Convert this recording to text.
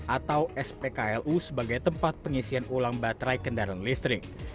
atau spklu sebagai tempat pengisian ulang baterai kendaraan listrik